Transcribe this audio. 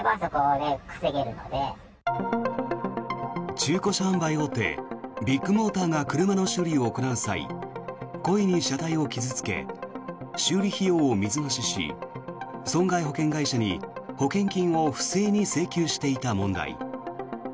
中古車販売大手ビッグモーターが車の修理を行う際故意に車体を傷付け修理費用を水増しし損害保険会社に保険金を不正に請求していた問題。